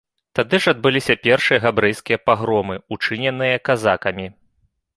Тады ж адбыліся першыя габрэйскія пагромы, учыненыя казакамі.